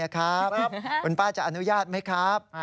คุณป้าจะอนุญาตไหมครับ